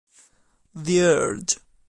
The Urge